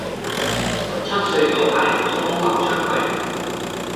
十七歲嗰排我瘋狂出櫃